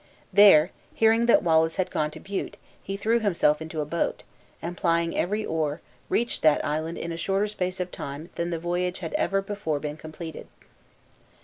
There, hearing that Wallace had gone to Bute, he threw himself into a boat, and plying every oar, reached that island in a shorter space of time than the voyage had ever before been completed.